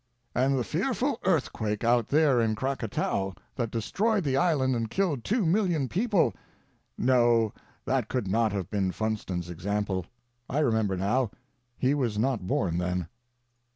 And the fearful earthquake out there in Krakatoa, that destroyed the island and killed two million people — No, that could not have been Funston's example; I remember now, he was not born then.